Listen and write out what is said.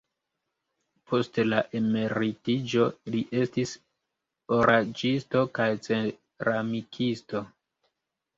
Post la emeritiĝo li estis oraĵisto kaj ceramikisto.